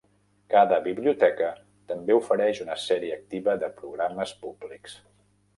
Cada biblioteca també ofereix una sèrie activa de programes públics.